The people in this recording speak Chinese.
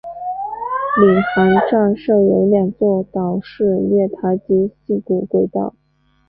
领航站设有两座岛式月台及四股轨道。